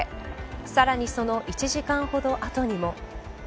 さらに、その１時間ほど後にも。